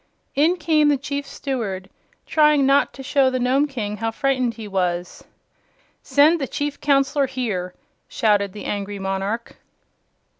In came the Chief Steward, trying not to show the Nome King how frightened he was. "Send the Chief Counselor here!" shouted the angry monarch.